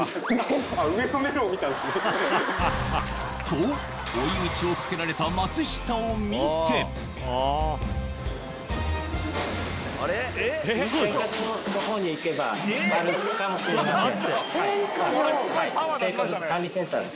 と追い打ちをかけられた松下を見てしれません。